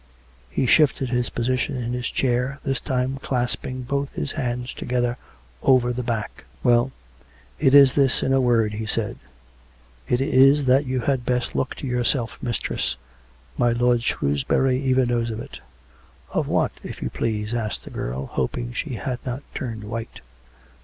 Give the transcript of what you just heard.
He shifted his position in his chair, this time clasping both his hands together over the back. "Well; it is this in a word," he said: " It is that you had best look to yourself, mistress. My lord Shrewsbury even knows of it." "Of what, if you please?" asked the girl, hoping she had not turned white.